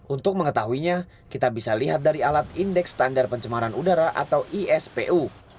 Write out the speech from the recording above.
untuk mengetahuinya kita bisa lihat dari alat indeks standar pencemaran udara atau ispu